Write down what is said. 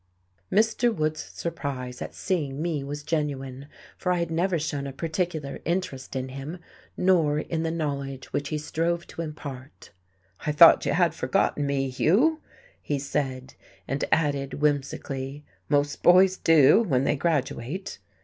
Mr. Wood's surprise at seeing me was genuine. For I had never shown a particular interest in him, nor in the knowledge which he strove to impart. "I thought you had forgotten me, Hugh," he said, and added whimsically: "most boys do, when they graduate."